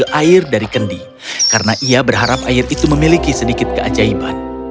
mengambil air dari kendi karena ia berharap air itu memiliki sedikit keajaiban